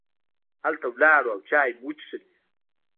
هلته ولاړو او چای مو وڅښلې.